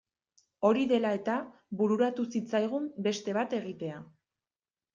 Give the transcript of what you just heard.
Hori dela eta bururatu zitzaigun beste bat egitea.